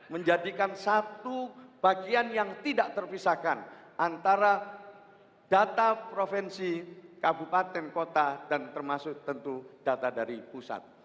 menjadikan satu bagian yang tidak terpisahkan antara data provinsi kabupaten kota dan termasuk tentu data dari pusat